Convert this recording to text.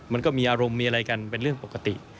มันก็มีอารมณ์มีอะไรกันเป็นเรื่องปกติ